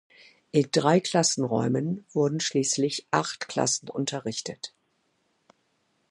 In drei Klassenräumen wurden schließlich acht Klassen unterrichtet.